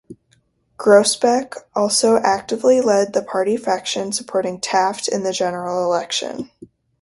Groesbeck also actively led the party faction supporting Taft in the general election.